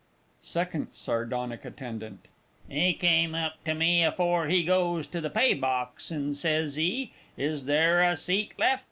SECOND SARDONIC ATTENDANT. He come up to me afore he goes to the pay box, and sez he "Is there a seat left?"